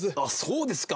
そうですか。